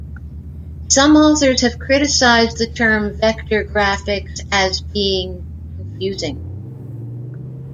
Some authors have criticized the term "vector graphics" as being confusing.